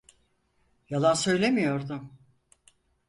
Yalan söylemiyordum.